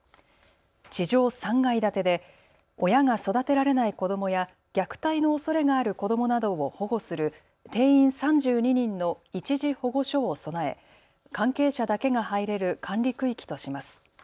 地上３階建てで親が育てられない子どもや虐待のおそれがある子どもなどを保護する定員３２人の一時保護所を備え関係者だけが入れる管理区域とします。